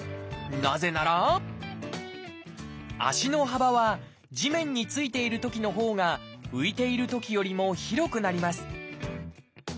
なぜなら足の幅は地面に着いているときのほうが浮いているときよりも広くなります